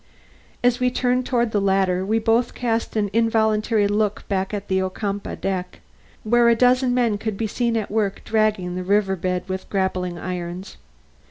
As we turned toward the latter, we both cast an involuntary look back at the Ocumpaugh dock, where a dozen men could be seen at work dragging the river bed with grappling irons.